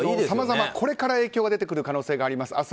さまざま、これから影響が出てくる可能性があります。